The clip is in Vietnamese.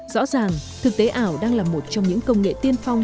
rõ ràng thực tế ảo đang là một trong những công nghệ tiên phong